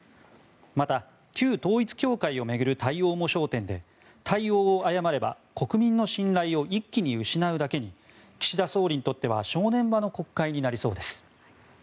また、旧統一教会を巡る対応も焦点で対応を誤れば国民の信頼を一気に失うだけに岸田総理にとっては正念場の国会になりそうです。